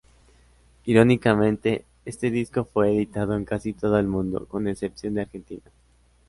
Irónicamente este disco fue editado en casi todo el mundo con excepción de Argentina.